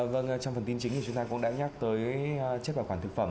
vâng trong phần tin chính thì chúng ta cũng đã nhắc tới chất bảo quản thực phẩm